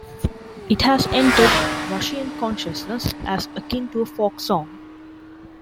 It has entered Russian consciousness as akin to a folk song.